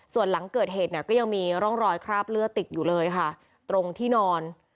ส่วนหลังเกิดเหตุเนี่ยก็ยังมีร่องรอยคราบเลือดติดอยู่เลยค่ะตรงที่นอน